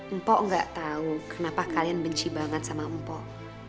empok gak tau kenapa kalian benci banget sama empok